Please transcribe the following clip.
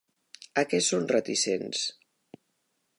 A què són reticents?